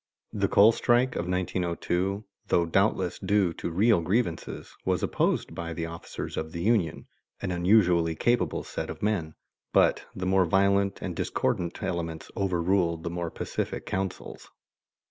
The coal strike of 1902, though doubtless due to real grievances, was opposed by the officers of the union, an unusually capable set of men, but the more violent and discordant elements overruled the more pacific counsels.